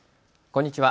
こんにちは。